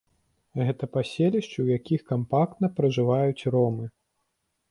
Гэта паселішчы, у якіх кампактна пражываюць ромы.